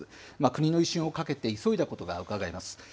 国の威信をかけて急いだことがうかがえます。